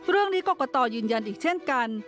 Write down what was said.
เรื่องนี้กรกตยืนยันอีกเช่นกัน